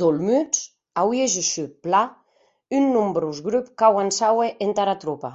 D’Olmutz, auie gessut, plan, un nombrós grop qu’auançaue entara tropa.